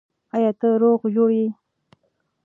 آیا ته روغ جوړ یې؟